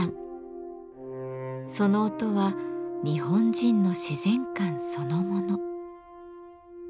その音は日本人の自然観そのもの。